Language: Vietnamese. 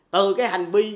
từ cái hành vi